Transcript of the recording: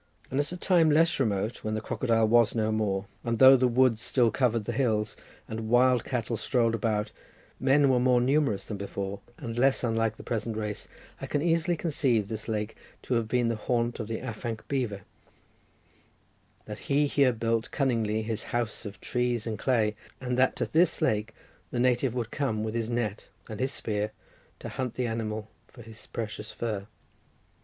And at a time less remote, when the crocodile was no more, and though the woods still covered the hills, and wild cattle strolled about, men were more numerous than before, and less unlike the present race, I can easily conceive this lake to have been the haunt of the afanc beaver, that he here built cunningly his house of trees and clay, and that to this lake the native would come with his net and his spear to hunt the animal for his precious fur.